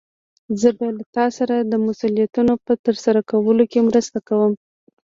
زه به له تا سره د مسؤليتونو په ترسره کولو کې مرسته کوم.